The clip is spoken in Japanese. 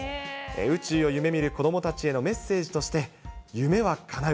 宇宙を夢みる子どもたちへのメッセージとして、夢はかなう。